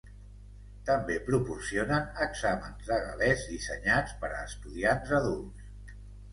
També proporcionen exàmens de gal·lès dissenyats per a estudiants adults.